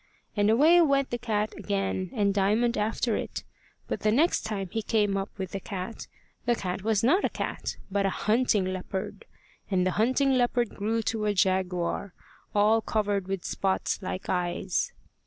And away went the cat again, and Diamond after it. But the next time he came up with the cat, the cat was not a cat, but a hunting leopard. And the hunting leopard grew to a jaguar, all covered with spots like eyes.